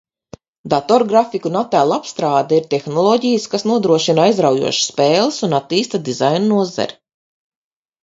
Datorgrafika un attēlu apstrāde ir tehnoloģijas, kas nodrošina aizraujošas spēles un attīsta dizaina nozari.